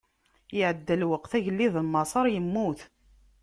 Iɛedda lweqt, agellid n Maṣer immut.